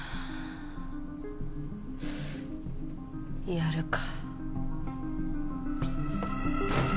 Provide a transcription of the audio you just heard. やるか。